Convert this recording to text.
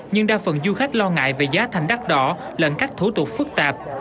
nhưng đa phần du khách lo ngại về giá thành đắt đỏ lẫn các thủ tục phức tạp